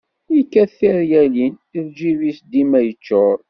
Yekkat tiryalin, lǧib-is dima yeččur.